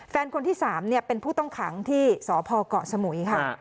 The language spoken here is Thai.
คนที่๓เป็นผู้ต้องขังที่สพเกาะสมุยค่ะ